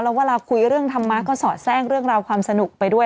แล้วเวลาคุยเรื่องธรรมะก็สอดแทรกเรื่องราวความสนุกไปด้วย